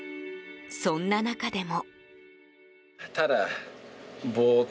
そんな中でも。